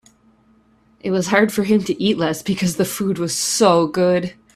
It was hard for him to eat less because the food was so good.